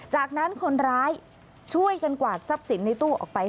จากนั้นคนร้ายช่วยกันกวาดทรัพย์สินในตู้ออกไป